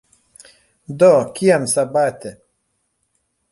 Do, kiam sabate?"